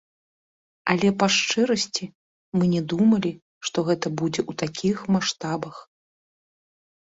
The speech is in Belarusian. Але па шчырасці, мы не думалі, што гэта будзе ў такіх маштабах.